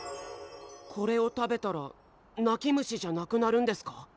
これを食べたら泣き虫じゃなくなるんですか？